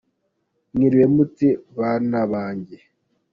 Mwiriwe mute banabange.